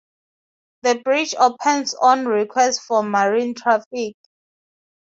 The bridge opens on request for marine traffic.